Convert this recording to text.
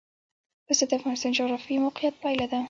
پسه د افغانستان د جغرافیایي موقیعت پایله ده.